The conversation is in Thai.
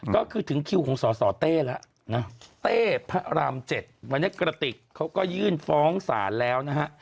ก็คือถึงคิวของสสเต้แล้วนะเต้พระราม๗วันนี้กระติกเขาก็ยื่นฟ้องศาลแล้วนะฮะ